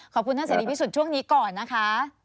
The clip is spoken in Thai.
ขอบคุณท่านเสด็จพิสุทธิ์ช่วงนี้ก่อนนะคะ